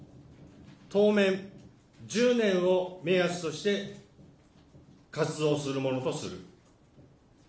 当面、１０年を目安として活動するものとする。